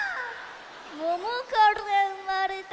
ももからうまれた。